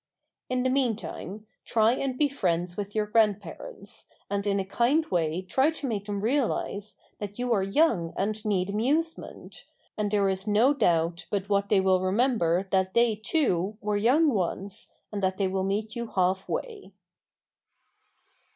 In the meantime try and be friends with your grandparents, and in a kind way try to make them realize that you are young and need amusement, and there is no doubt but what they will remember that they, too, were young once and that they will meet you half way.